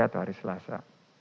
atau hari selasa